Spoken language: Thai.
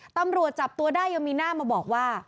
ตำรวจจับตัวได้ยังมีหน้ามาบอกว่า